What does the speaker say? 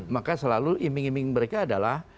maka selalu iming iming mereka adalah